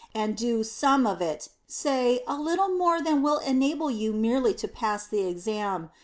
And do some of it say, a little more than will enable you merely to pass the Exam.